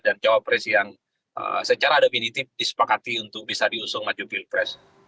dan capres yang secara definitif disepakati untuk bisa diusung maju bilpres